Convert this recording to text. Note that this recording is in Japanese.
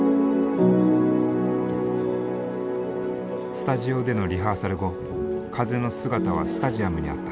スタジオでのリハーサル後風の姿はスタジアムにあった。